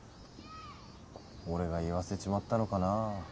俺が言わせちまったのかな。